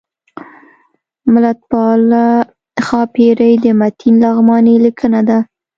ملتپاله ښاپیرۍ د متین لغمانی لیکنه ده